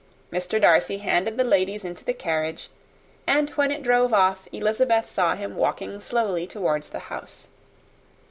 Mr. Darcy handed the ladies into the carriage; and when it drove off, Elizabeth saw him walking slowly towards the house.